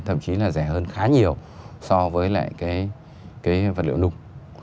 thậm chí là rẻ hơn khá nhiều so với lại cái vật liệu nung